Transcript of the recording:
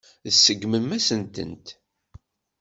Tseggmem-asen-tent.